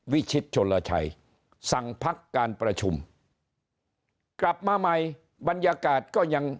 วิชิตชนลชัยสั่งพักการประชุมกลับมาใหม่บรรยากาศก็ยัง